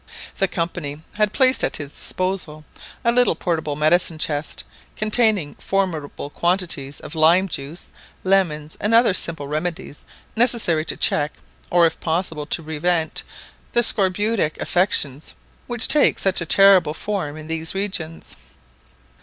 The Company had placed at his disposal a little portable medicine chest, containing formidable quantities of lime juice, lemons, and other simple remedies necessary to check, or if possible to prevent, the scorbutic affections which take such a terrible form in these regions.